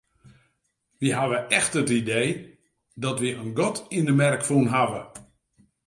Wy hawwe echt it idee dat wy in gat yn 'e merk fûn hawwe.